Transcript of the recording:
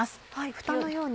ふたのように。